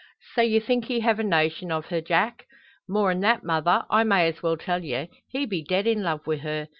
"So you think he have a notion o' her, Jack?" "More'n that, mother. I may as well tell ye; he be dead in love wi' her.